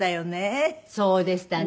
そうでしたね。